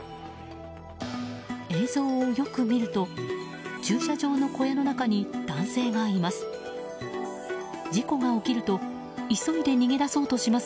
映像をよく見ると、駐車場の小屋の中に男性がいます。